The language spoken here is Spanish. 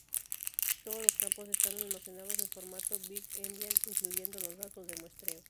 Todos los campos están almacenados en formato big-endian, incluyendo los datos de muestreo.